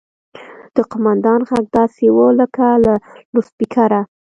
د قوماندان غږ داسې و لکه له لوډسپيکره.